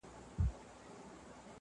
o د تکراري حُسن چيرمني هر ساعت نوې یې.